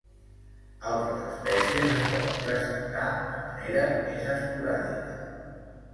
Altres espècies es poden presentar de manera més esporàdica.